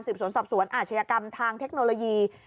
สวนสอบสวนอาชญากรรมทางเทคโนโลยี